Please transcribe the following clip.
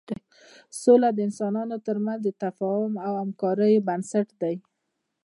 سوله د انسانانو تر منځ د تفاهم او همکاریو بنسټ دی.